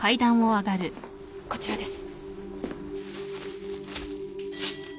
こちらです。